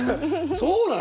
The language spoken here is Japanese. そうなの！？